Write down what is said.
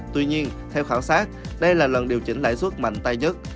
tuy nhiên theo khảo sát đây là lần điều chỉnh lãi suất mạnh tay nhất